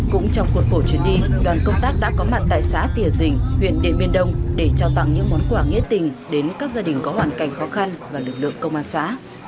cũng trong cuộc khổ chuyến đi đoàn công tác đã có mặt tại xã tỉa dình huyện điện biên đông để trao tặng những món quà nghĩa tình đến các gia đình có hoàn cảnh khó khăn và lực lượng công an xã